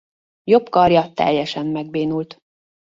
Jobb karja teljesen megbénult.